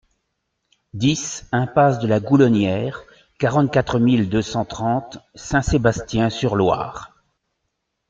dix impasse de la Goulonnière, quarante-quatre mille deux cent trente Saint-Sébastien-sur-Loire